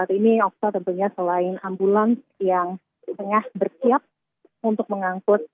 jadi ini adalah satu jenazah yang tidak bisa diangkat